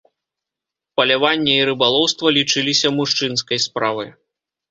Паляванне і рыбалоўства лічыліся мужчынскай справай.